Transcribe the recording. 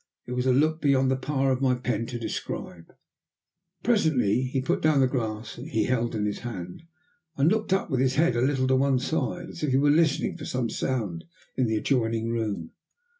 It was a look beyond the power of my pen to describe. Presently he put down the glass he held in his hand, and looked up with his head a little on one side, as if he were listening for some sound in the adjoining room.